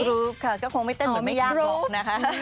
รู้ค่ะก็คงไม่เต้นหรือไม่ยากหรอกนะคะ